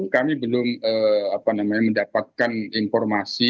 kami belum mendapatkan informasi